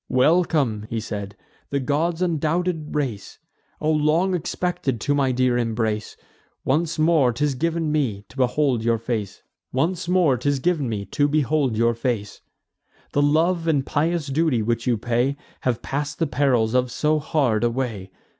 "Welcome," he said, "the gods' undoubted race! O long expected to my dear embrace! Once more 'tis giv'n me to behold your face! The love and pious duty which you pay Have pass'd the perils of so hard a way.